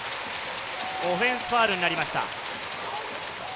オフェンスファウルになりました。